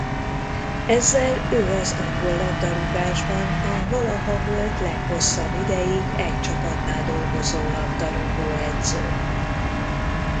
Ezzel ő az angol labdarúgásban a valaha volt leghosszabb ideig egy csapatnál dolgozó labdarúgóedző.